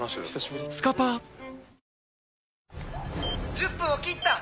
１０分を切った！